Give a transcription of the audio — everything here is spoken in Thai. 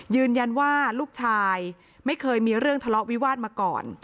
ยืนยันว่าลูกชายไม่เคยมีเรื่องทะเลาะวิวาสมาก่อน